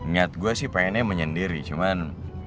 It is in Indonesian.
niat gue sih pengennya menyendiri cuman